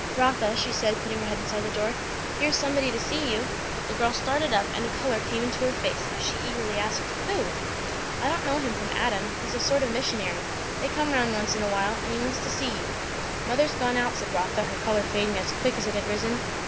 "Rotha," she said putting her head inside the door, "here's somebody to see you." The girl started up and a colour came into her face, as she eagerly asked, "Who?" "I don't know him from Adam. He's a sort of a missionary; they come round once in a while; and he wants to see you." "Mother's gone out," said Rotha, her colour fading as quick as it had risen.